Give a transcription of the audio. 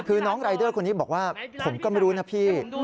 คือน้องรายเดอร์คนนี้บอกว่าผมก็ไม่รู้นะพี่